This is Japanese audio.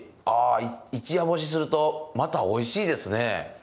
ああ一夜干しするとまたおいしいですね。